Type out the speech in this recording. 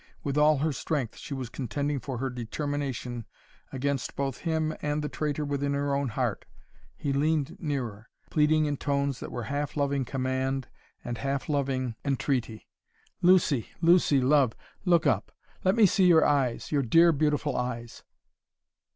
With all her strength she was contending for her determination against both him and the traitor within her own heart. He leaned nearer, pleading in tones that were half loving command and half loving entreaty, "Lucy! Lucy, love! Look up! Let me see your eyes, your dear, beautiful eyes!"